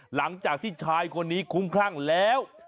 หลังจากที่ชายคนนี้คุ้มคลั่งแล้ว